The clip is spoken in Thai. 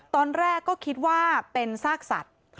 ตอนแรกก็คิดว่าเป็นซากสัตว์